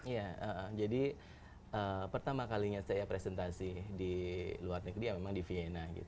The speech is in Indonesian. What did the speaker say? ya jadi pertama kalinya saya presentasi di luar negeri memang di vienna